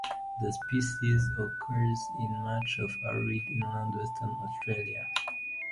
The species occurs in much of arid inland Western Australia.